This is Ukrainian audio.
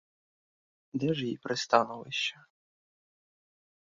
Де ж їй пристановище?